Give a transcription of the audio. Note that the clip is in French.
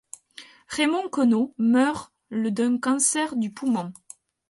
Raymond Queneau meurt le d'un cancer du poumon.